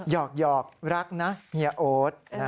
หอกรักนะเฮียโอ๊ต